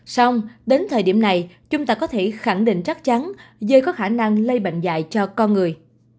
xong đến thời điểm này chúng ta có thể khẳng định chắc chắn dây có khả năng lây bệnh dạy cho con người